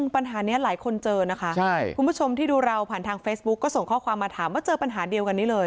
ปัญหานี้หลายคนเจอนะคะคุณผู้ชมที่ดูเราผ่านทางเฟซบุ๊กก็ส่งข้อความมาถามว่าเจอปัญหาเดียวกันนี้เลย